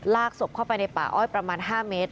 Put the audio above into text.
ศพเข้าไปในป่าอ้อยประมาณ๕เมตร